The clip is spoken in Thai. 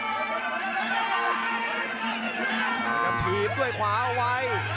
แล้วก็ทีมด้วยขวาเอาไว้